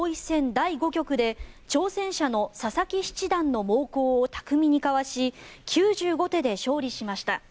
第５局で挑戦者の佐々木七段の猛攻を巧みにかわし９５手で勝利しました。